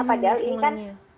padahal ini kan